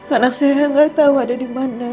anak saya gak tau ada dimana